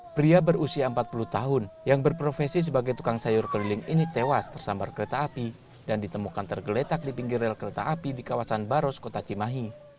pria berusia empat puluh tahun yang berprofesi sebagai tukang sayur keliling ini tewas tersambar kereta api dan ditemukan tergeletak di pinggir rel kereta api di kawasan baros kota cimahi